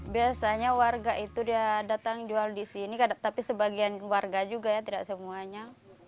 biasanya warga itu dia datang jual di sini tapi sebagian warga juga ya tidak semuanya